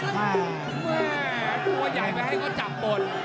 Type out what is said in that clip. แม่ตัวใหญ่ไปให้เขาจับหมด